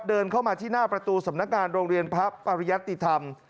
เดินเข้ามาที่หน้าประตูสำนักงานโรงเรียนพระปริยัติธรรม